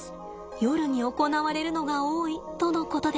夜に行われるのが多いとのことです。